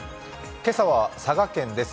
今朝は佐賀県です。